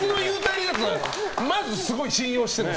まずすごい信用してるの？